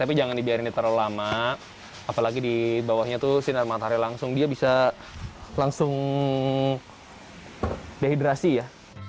tapi jangan dibiarinnya terlalu lama apalagi di bawahnya tuh sinar matahari langsung dia bisa langsung dehidrasi ya